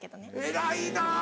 偉いな。